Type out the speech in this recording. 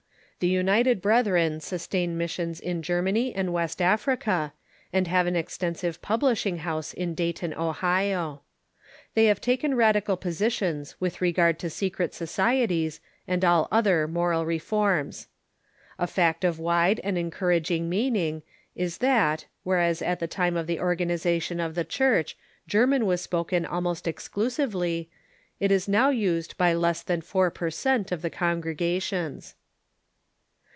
The United Brethren sustain missions in Germany and West Africa, and have an extensive publishing house in Dayton, Ohio. They have taken radical positions with regard to secret societies and all other moral reforms. A fact of wide and encouraging meaning is that, whereas at the time of the organization of the Church, German was spoken almost exclusively, it is now used by less than four per cent, of the congregations.